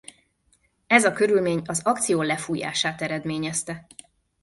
Ez a körülmény az akció lefújását eredményezte.